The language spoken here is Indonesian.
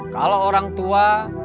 kalau orang tua